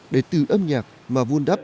để từ âm nhạc mà vun đắp